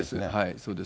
そうです。